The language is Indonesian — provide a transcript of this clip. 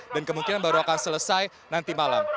dan kemungkinan baru akan selesai nanti malam